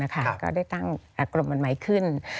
ก็ได้ตั้งกรมหมอนไหมขึ้น